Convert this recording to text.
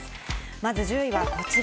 まず１０位はこちら。